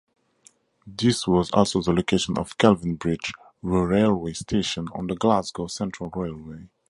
This was also the location of Kelvinbridge railway station on the Glasgow Central Railway.